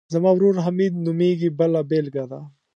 زما ورور حمید نومیږي بله بېلګه ده.